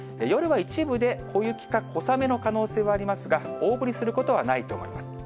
夜は一部で、小雪か小雨の可能性はありますが、大降りすることはないと思います。